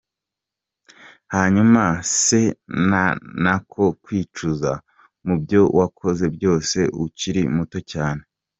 com : Hanyuma se nta n’ako wicuza mu byo wakoze byose ukiri muto cyane ?.